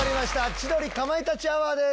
『千鳥かまいたちアワー』です。